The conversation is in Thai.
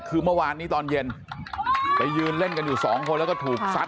คือเมื่อวานนี้ตอนเย็นไปยืนเล่นกันอยู่สองคนแล้วก็ถูกซัด